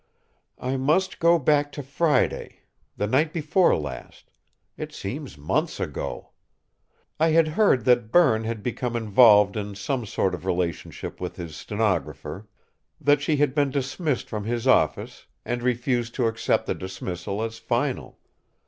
"I must go back to Friday the night before last it seems months ago! I had heard that Berne had become involved in some sort of relationship with his stenographer that she had been dismissed from his office and refused to accept the dismissal as final.